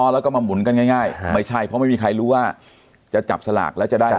แล้วก็มาหมุนกันง่ายไม่ใช่เพราะไม่มีใครรู้ว่าจะจับสลากแล้วจะได้